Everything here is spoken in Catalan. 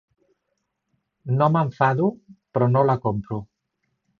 No m'enfado, però no la compro.